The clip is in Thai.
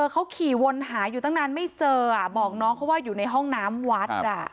เขาขี่วนหาอยู่ตั้งนานไม่เจอบอกน้องเขาว่าอยู่ในห้องน้ำวัด